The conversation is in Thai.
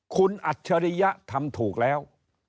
คุณอัจฉริยะทำถูกแล้ว